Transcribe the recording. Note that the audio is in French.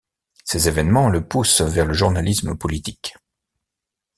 Ces évènements le poussent vers le journalisme politique.